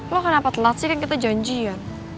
wah kenapa telat sih kan kita janjian